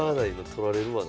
取られるわな